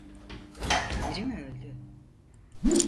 Biri mi öldü?